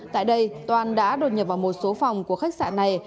tại đây toàn đã đột nhập vào một số phòng của khách sạn này